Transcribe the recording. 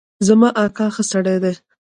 زما اکا ښه سړی دی